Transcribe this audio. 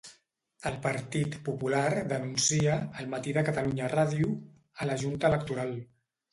El Partit Popular denuncia 'El matí de Catalunya Ràdio'a la Junta Electoral.